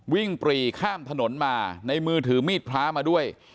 ปรีข้ามถนนมาในมือถือมีดพระมาด้วย